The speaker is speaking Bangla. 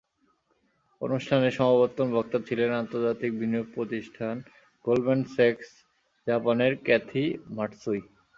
অনুষ্ঠানে সমাবর্তন বক্তা ছিলেন আন্তর্জাতিক বিনিয়োগ প্রতিষ্ঠান গোল্ডম্যান স্যাকস জাপানের ক্যাথি মাটসুই।